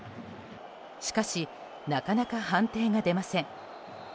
しかしなかなか判定が出ません。